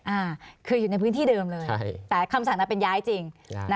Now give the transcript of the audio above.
อ่าคืออยู่ในพื้นที่เดิมเลยแต่คำสั่งนั้นเป็นย้ายจริง